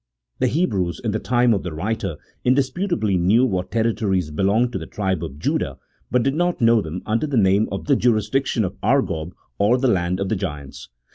The Hebrews in the time of the writer indisputably knew what territories belonged to the tribe of Judah, but did not know them under the name of the jurisdiction of Argob, or the land of the giants.